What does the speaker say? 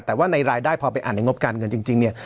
แต่ว่าในรายได้พอไปอ่านในงบการเงินจริงเนี่ย